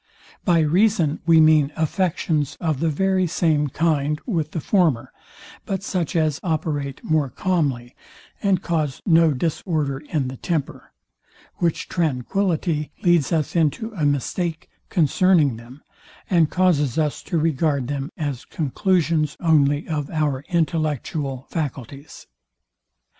By reason we mean affections of the very same kind with the former; but such as operate more calmly, and cause no disorder in the temper: Which tranquillity leads us into a mistake concerning them, and causes us to regard them as conclusions only of our intellectual faculties.